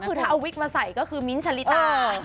คือถ้าเอาวิกมาใส่ก็คือมิ้นท์ชะลิตา